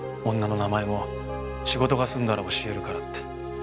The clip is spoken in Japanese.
女の名前も仕事が済んだら教えるからって。